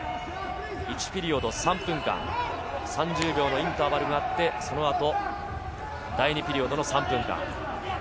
１ピリオド３分間、３０秒のインターバルがあって、第２ピリオドの３分間。